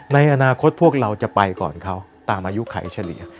ในอนาคตพวกเราจะไปก่อนเขาตามอายุไขเฉลี่ย